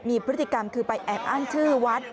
มีพฤติกรรมคือไปแอบอ้างชื่อวัด